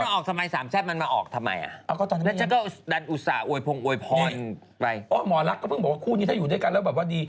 แล้วก็น่าทำไมสำแชทมันมาออกทำไม